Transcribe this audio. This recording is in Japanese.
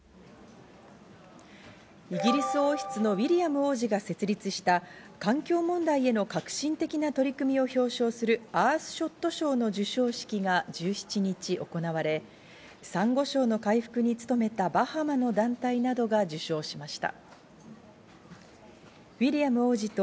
イギリス王室のウィリアム王子が設立した環境問題への革新的な取り組みを表彰するアースショット賞の授賞式が１７日行われ、サンゴ礁の回復に努めたバハマの団体などが受賞しました。